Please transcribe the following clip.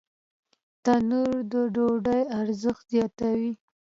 تنور د ډوډۍ ارزښت زیاتوي